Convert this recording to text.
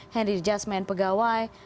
henry jasmine pegawai